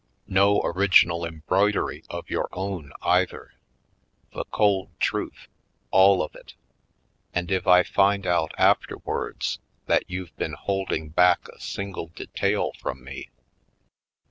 No original embroidery of your own, either — the cold truth, all of it! And if I find out afterwards that you've been holding back a single detail from me